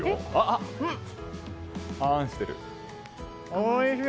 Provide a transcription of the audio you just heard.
おいしい！